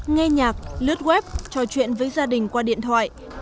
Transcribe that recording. nghe nhạc lướt web trò chuyện với gia đình qua điện thoại